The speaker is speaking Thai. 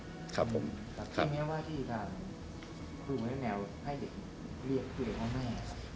ที่นี้ว่าที่การคุยกับแมวให้เด็กเรียกคุยกับแม่ครับ